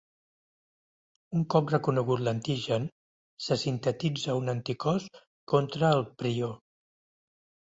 Un cop reconegut l'antigen, se sintetitza un anticòs contra el prió.